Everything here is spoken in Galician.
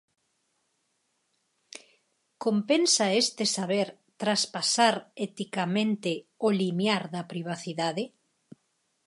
Compensa este saber traspasar eticamente o limiar da privacidade?